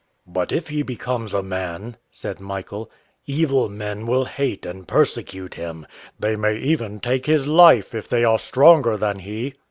"But if he becomes a man," said Michael, "evil men will hate and persecute him: they may even take his life, if they are stronger than he."